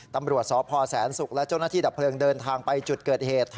ตำรวจสพแสนศุกร์และเจ้าหน้าที่ดับเพลิงเดินทางไปจุดเกิดเหตุ